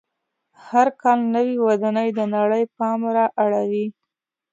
هر کال نوې ودانۍ د نړۍ پام را اړوي.